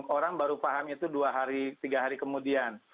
orang baru paham itu dua hari tiga hari kemudian